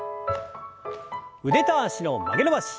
腕と脚の曲げ伸ばし。